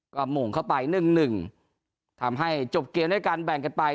ก็หม่วงเข้าไปหนึ่งหนึ่งทำให้จบเกมด้วยกันแบ่งกันไป